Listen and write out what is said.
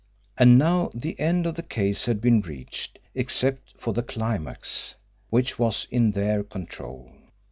And now the end of the case had been reached, except for the climax, which was in their control.